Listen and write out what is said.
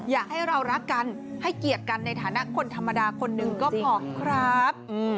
อยากให้เรารักกันให้เกียรติกันในฐานะคนธรรมดาคนหนึ่งก็พอครับ